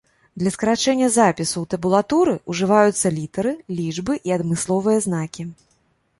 Для скарачэння запісу ў табулатуры ўжываюцца літары, лічбы і адмысловыя знакі.